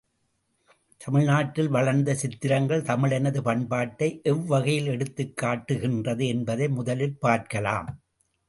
தமிழ்நாட்டில், வளர்ந்த சித்திரங்கள் தமிழனது பண்பாட்டை எவ்வகையில் எடுத்துக் காட்டுகின்றது என்பதை முதலில் பார்க்கலாம்.